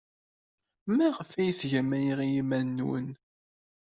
Maɣef ay tgam aya i yiman-nwen?